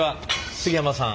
杉山さん？